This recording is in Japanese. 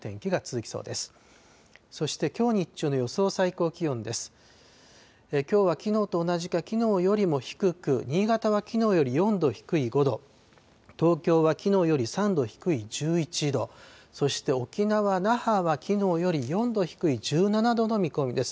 きょうはきのうと同じか、きのうよりも低く新潟はきのうより４度低い５度、東京はきのうより３度低い１１度、そして沖縄・那覇はきのうより４度低い１７度の見込みです。